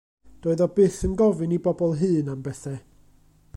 Doedd o byth yn gofyn i bobl hŷn am bethau.